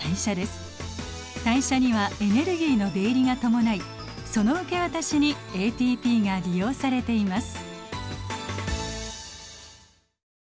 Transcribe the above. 代謝にはエネルギーの出入りが伴いその受け渡しにＡＴＰが利用されています。